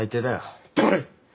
黙れ。